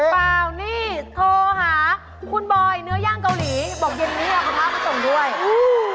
เปล่านี่โทรหาคุณบอยเนื้อย่างเกาหลีบอกเย็นนี้เอากระทะมาส่งด้วยอืม